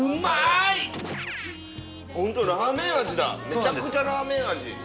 めちゃくちゃラーメン味